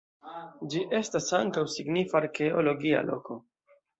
Ĝi estas ankaŭ signifa arkeologia loko.